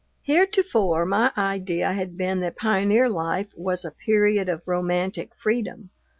Heretofore my idea had been that pioneer life was a period of romantic freedom.